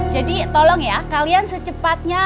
tolong ya kalian secepatnya